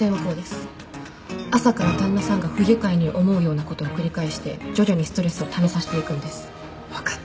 朝から旦那さんが不愉快に思うようなことを繰り返して徐々にストレスをためさせていくんです分かった